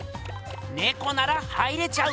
ねこなら入れちゃう！